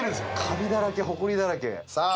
カビだらけホコリだらけさあ